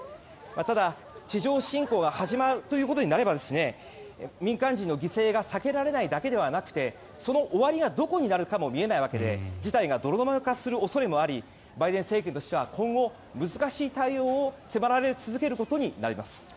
ただ、地上侵攻が始まるということになれば民間人の犠牲が避けられないだけではなくてその終わりがどこになるかも見えないわけで事態が泥沼化する恐れもありバイデン政権としては今後、難しい対応を迫られ続けることになります。